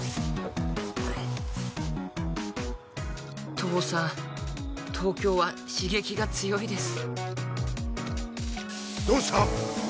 「父さん東京は刺激が強いです」